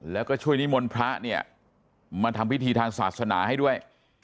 แล้วก็ช่วยนิมนต์พระเนี่ยมาทำพิธีทางศาสนาให้ด้วย